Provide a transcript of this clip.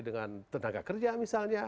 dengan tenaga kerja misalnya